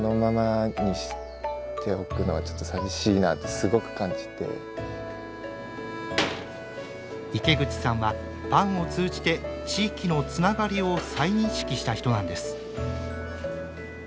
草が結構生えてたり池口さんはパンを通じて地域のつながりを再認識した人なんです。